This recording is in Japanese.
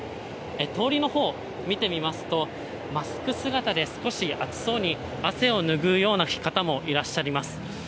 通りのほう見てみますと、マスク姿で少し暑そうに、汗を拭うような方もいらっしゃいます。